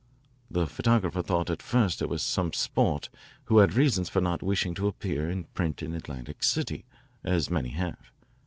The photographer thought at first it was some sport who had reasons for not wishing to appear in print in Atlantic City, as many have.